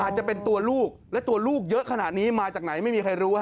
จะเป็นตัวลูกและตัวลูกเยอะขนาดนี้มาจากไหนไม่มีใครรู้